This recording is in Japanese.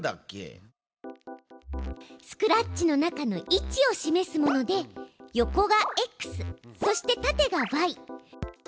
スクラッチの中の位置を示すもので横がｘそして縦がｙ。